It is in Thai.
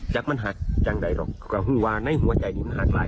จากมันหักจังใดหรอกก็คือว่าในหัวใจนี้มันหายไป